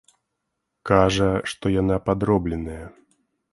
Кажа, што яна падробленая.